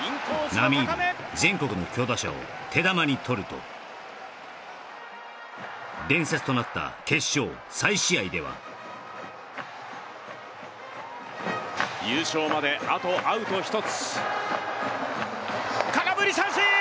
並みいる全国の強打者を手玉に取ると伝説となった決勝再試合では優勝まであとアウト１つ空振り三振！